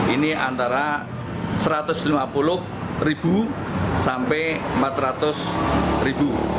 ini antara satu ratus lima puluh sampai empat ratus